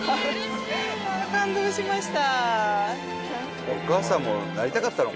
感動しました。